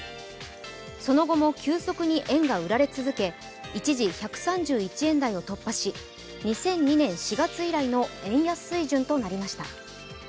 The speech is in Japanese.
その後も、急速に円が売られ続け一時、１３１円台を突破し、２００２年４月以来の円安水準となりました。